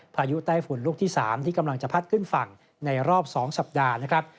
พายุใต้ฝุ่นลูกที่๓ที่กำลังจะพัดขึ้นฝั่งในรอบ๒สัปดาห์นะครับ